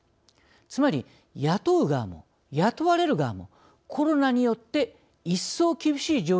つまり雇う側も雇われる側もコロナによって一層厳しい状況に追い込まれているわけです。